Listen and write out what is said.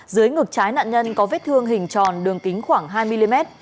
dưới ngược trái nạn nhân có vết thương hình tròn đường kính khoảng hai mm